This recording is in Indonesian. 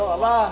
letes abah ya